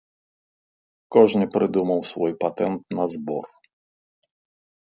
Кожны прыдумаў свой патэнт на збор.